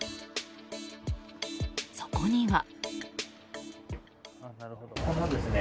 そこには。